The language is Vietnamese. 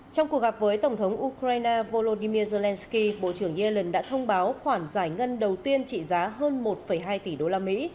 trong cuộc gặp với tổng thống ukraine volodymyr zelensky bộ trưởng yellen đã thông báo khoản giải ngân đầu tiên trị giá hơn một hai tỷ usd